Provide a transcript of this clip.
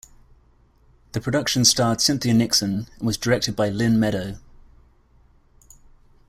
The production starred Cynthia Nixon and was directed by Lynne Meadow.